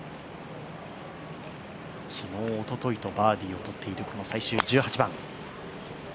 昨日、おとといとバーディーを取っているこの最終１８番。